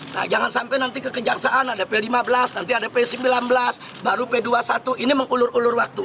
nah jangan sampai nanti kekejaksaan ada p lima belas nanti ada p sembilan belas baru p dua puluh satu ini mengulur ulur waktu